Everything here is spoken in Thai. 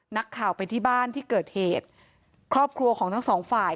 นักข่าวไปที่บ้านที่เกิดเหตุครอบครัวของทั้งสองฝ่าย